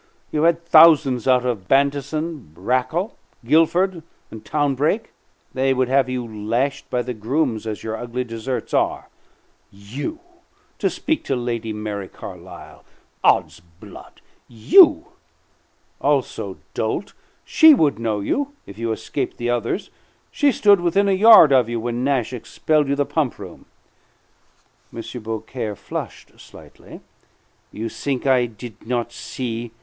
You've had thousands out of Bantison, Rakell, Guilford, and Townbrake. They would have you lashed by the grooms as your ugly deserts are. You to speak to Lady Mary Carlisle! 'Od's blood! You! Also, dolt, she would know you if you escaped the others. She stood within a yard of you when Nash expelled you the pump room." M. Beaucaire flushed slightly. "You think I did not see?"